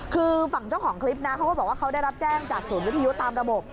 คือฝั่งเจ้าของคลิปนะเขาก็บอกว่าเขาได้รับแจ้งจากศูนย์วิทยุตามระบบ